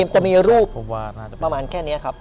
จะมีรูปประมาณแค่นี้ครับ